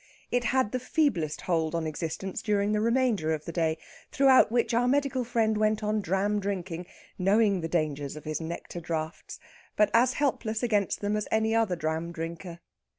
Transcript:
It had the feeblest hold on existence during the remainder of the day, throughout which our medical friend went on dram drinking, knowing the dangers of his nectar draughts, but as helpless against them as any other dram drinker.